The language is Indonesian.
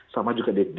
sama juga di